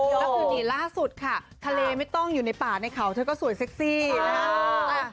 ก็คือนี่ล่าสุดค่ะทะเลไม่ต้องอยู่ในป่าในเขาเธอก็สวยเซ็กซี่นะฮะ